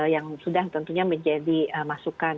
yang sudah tentunya menjadi masukan